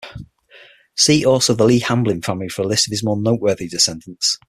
See also the Lee-Hamblin family for a list of more of his noteworthy descendants.